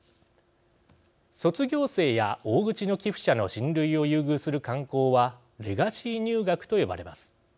卒業生や大口の寄付者の親類を優遇する慣行はレガシー入学と呼ばれます。